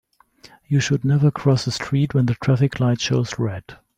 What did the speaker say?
You should never cross the street when the traffic light shows red.